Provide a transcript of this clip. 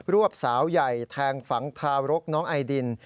วบสาวใหญ่แทงฝังทารกน้องไอดิน